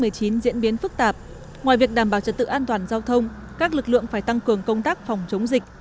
mặc dù trong tình hình dịch bệnh covid một mươi chín diễn biến phức tạp ngoài việc đảm bảo trật tự an toàn giao thông các lực lượng phải tăng cường công tác phòng chống dịch